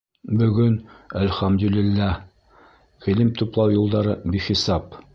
Бөгөн, әл-хәмдү лил-ләһ, ғилем туплау юлдары бихисап.